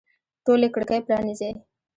ټولي کړکۍ پرانیزئ